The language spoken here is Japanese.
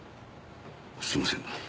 すいません。